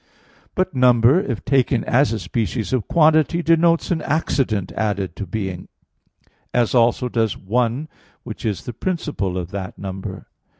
But number, if taken as a species of quantity, denotes an accident added to being; as also does "one" which is the principle of that number.